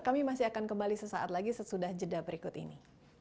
kami masih akan kembali sesaat lagi sesudah jeda berikut ini